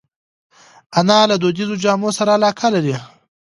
انا له دودیزو جامو سره علاقه لري